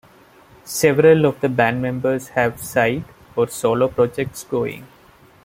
Several of the band members have side- or solo-projects going.